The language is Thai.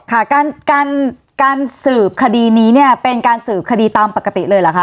ค่ะการการสืบคดีนี้เนี่ยเป็นการสืบคดีตามปกติเลยเหรอคะ